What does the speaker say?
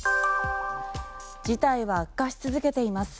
事態は悪化し続けています。